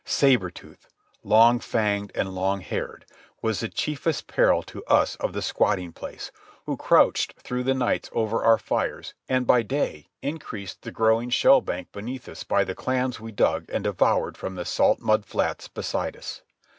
Sabre Tooth, long fanged and long haired, was the chiefest peril to us of the squatting place, who crouched through the nights over our fires and by day increased the growing shell bank beneath us by the clams we dug and devoured from the salt mud flats beside us.